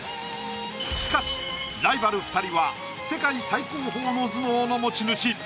しかしライバル２人は世界最高峰の頭脳の持ち主。